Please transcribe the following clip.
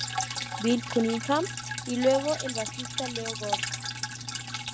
Bill Cunningham, y luego, el bajista Leo Goff.